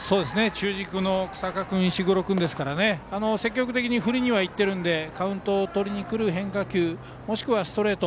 中軸の日下君、石黒君ですから積極的に振りにいっているのでカウントをとりにくる変化球もしくはストレート。